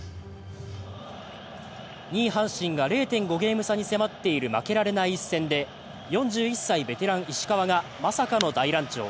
２位・阪神が０．５ゲーム差に迫っている負けられない一戦で４１歳、ベテラン・石川がまさかの大乱調。